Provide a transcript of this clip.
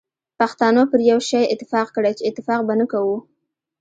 پښتنو پر یو شی اتفاق کړی چي اتفاق به نه کوو.